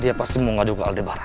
dia pasti mau ngaduk ke aldebaran